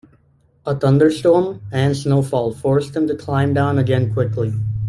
A thunderstorm and snowfall forced them to climb down again quickly.